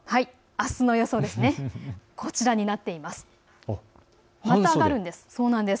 あすの予想はこちらになっています。